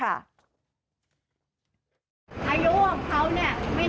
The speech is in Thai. อายุของเขาไม่น่าที่จะเป็นแบบนี้